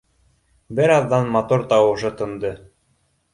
Бер аҙҙан мотор тауышы тынды